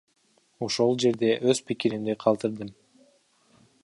Ошол жерде өз пикиримди калтырдым.